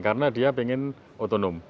karena dia ingin otonom